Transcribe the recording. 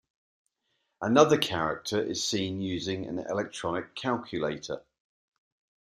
Another character is seen using an electronic calculator.